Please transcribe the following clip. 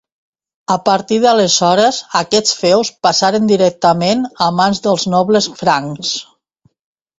A partir d'aleshores, aquests feus passaren directament a mans dels nobles francs.